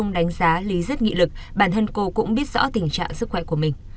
ông đánh giá lý rất nghị lực bản thân cô cũng biết rõ tình trạng sức khỏe của mình